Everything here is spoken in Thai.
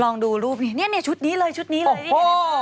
ลองดูรูปนี้ชุดนี้เลยที่เห็นไหมครับ